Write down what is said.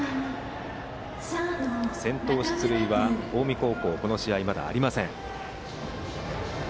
先頭出塁は近江高校はこの試合、まだありません。